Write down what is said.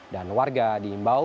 dan warga di mbak